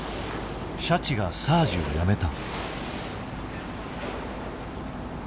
シャチがサージをやめた。